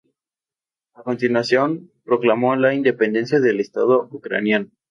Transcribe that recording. A continuación, proclamó la independencia del Estado ucraniano.